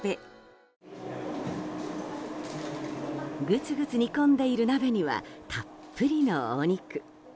ぐつぐつ煮込んでいる鍋にはたっぷりのお肉。